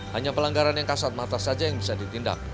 hanya pelanggaran yang kasat mata saja yang bisa ditindak